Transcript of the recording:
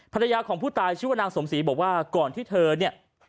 ภรรยาของผู้ตายชื่อว่านางสมศรีบอกว่าก่อนที่เธอเนี่ย